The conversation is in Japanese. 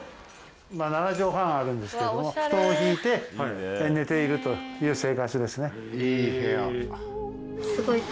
７帖半あるんですけども布団を敷いて寝ているという生活ですね。